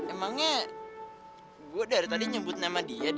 emangnya gue dari tadi nyebut nama dia